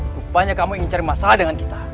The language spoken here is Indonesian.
lupanya kamu ingin mencari masalah dengan kita